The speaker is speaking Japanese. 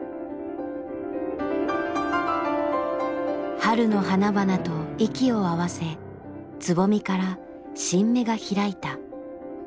春の花々と息を合わせつぼみから新芽が開いた。